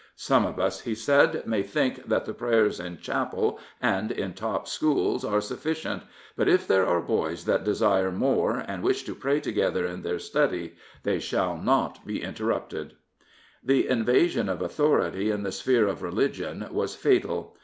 " Some of us," he said, " may think that the prayers in chapel and in top schools are sufficient, but if there are boys that desire more 271 Prophets, Priests, and Kings and wish to pray together in their study, they shall not be interrupted/* The invasion of authority in the sphere of religion was fatal.